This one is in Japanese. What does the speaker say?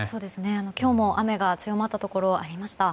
今日も雨が強まったところがありました。